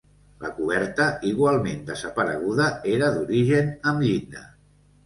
La coberta, igualment desapareguda, era d'origen amb llinda.